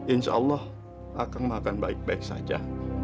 insya allah akan makan baik baik saja